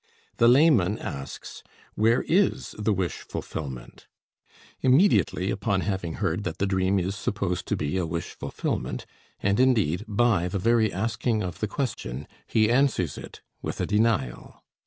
The layman asks: "Where is the wish fulfillment?" Immediately, upon having heard that the dream is supposed to be a wish fulfillment, and indeed, by the very asking of the question, he answers it with a denial.